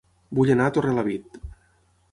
Vull anar a Torrelavit